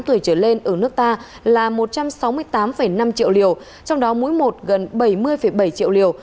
từ một mươi tám tuổi trở lên ở nước ta là một trăm sáu mươi tám năm triệu liều trong đó mũi một gần bảy mươi bảy triệu liều